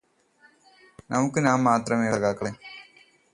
നമുക്ക് നാം മാത്രമേയുള്ളൂ സഖാക്കളേ.